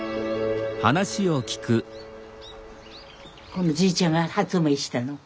このじいちゃんが発明したの。